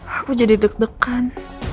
aku jadi deg degan